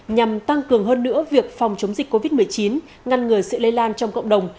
nhằm tăng cường hơn nữa việc phòng chống dịch covid một mươi chín ngăn ngừa sự lây lan trong cộng đồng